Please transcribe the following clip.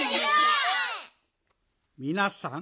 みなさん